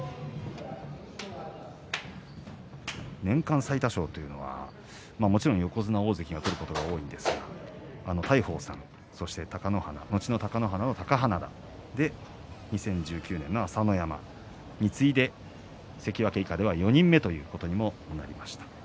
年間最多勝というのは、もちろん横綱、大関が取ることが多いんですが大鵬さんそして後の貴ノ花の貴花田２０１９年の朝乃山に次いで関脇以下では４人目ということになりました。